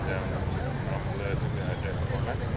tidak ada jembatan yang kena jalan